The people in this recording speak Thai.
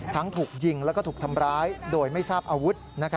ทั้งถูกยิงแล้วก็ถูกทำร้ายโดยไม่ทราบอาวุธ